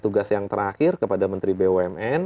tugas yang terakhir kepada menteri bumn